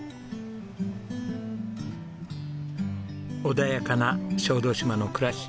穏やかな小豆島の暮らし。